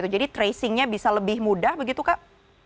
jadi tracingnya bisa lebih mudah begitu kak